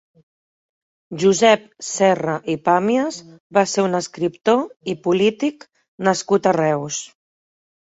Josep Serra i Pàmies va ser un escriptor i polític nascut a Reus.